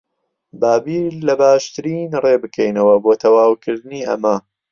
با بیر لە باشترین ڕێ بکەینەوە بۆ تەواوکردنی ئەمە.